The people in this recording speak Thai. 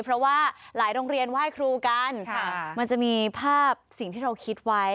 เพราะว่าหลายโรงเรียนไหว้ครูกันมันจะมีภาพสิ่งที่เราคิดไว้